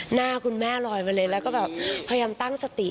หน้าคุณแม่ลอยมาเลยแล้วก็แบบพยายามตั้งสติ